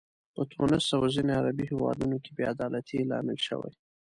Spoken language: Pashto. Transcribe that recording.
په تونس او ځینو عربي هیوادونو کې بې عدالتۍ لامل شوي.